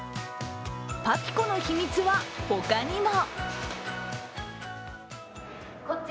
パピコの秘密は他にも。